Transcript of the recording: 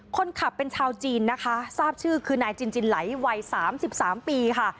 คนขับเป็นชาวจีนนะคะทราบชื่อคือนายจินจินไหลวัย๓๓ปีค่ะ